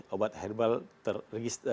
obat herbal terkait